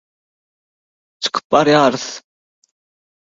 çykyp barýarys…